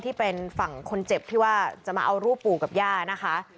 ที่เป็นฝั่งคนเจ็บที่ว่าจะมาเอารูปปู่กับย่านะคะ